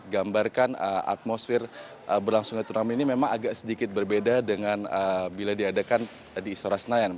gambarkan atmosfer berlangsungnya turnamen ini memang agak sedikit berbeda dengan bila diadakan di istora senayan